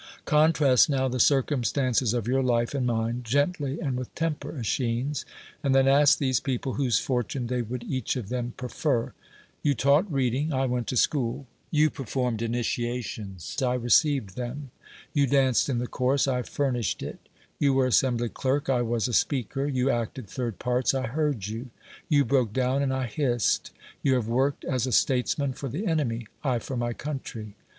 Contrast now the circumstances of your life and mine, gently and with temper, ^Eschines ; and then ask these people whose fortune they would each of them prefer. You taught reading, I went to school; you performed initiations, I received them ; you danced in the chorus, I fur nished it ; you were assembly clerk, I was a speaker ; you acted third parts, I heard you ; you broke down, and I hissed; you have worked as a statesman for the enemy, I for my country.